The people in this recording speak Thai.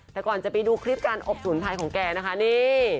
แต่ก่อนจะไปดูคลิปการอบสมุนไพรของแกนะคะนี่